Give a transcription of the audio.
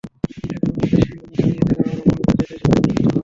তখন আরও বেশি ক্ষমতা নিয়ে তারা আরও ভয়ংকর চরিত্র হিসেবে আবির্ভূত হয়।